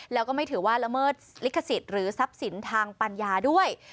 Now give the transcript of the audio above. แล้วก็ไม่ถือว่าละเมิดลิขสิทธิ์หรือทรัพย์สินทางปัญญาด้วย